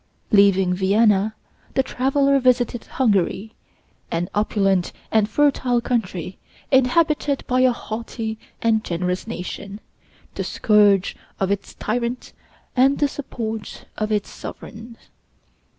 Leaving Vienna, the traveler visited Hungary, an opulent and fertile country, inhabited by a haughty and generous nation, the scourge of its tyrants and the support of its sovereigns.